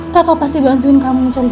kakak pasti bantuin kamu mencari aku